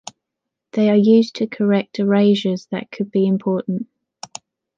They are used to correct erasures that could be important.